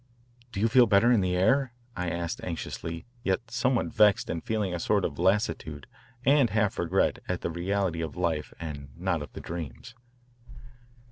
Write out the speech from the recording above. "Do you feel better in the air?" I asked anxiously, yet somewhat vexed and feeling a sort of lassitude and half regret at the reality of life and not of the dreams.